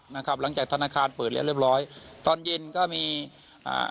นะครับหลังจากธนาคารเปิดเรียนเรียบร้อยตอนเย็นก็มีอ่า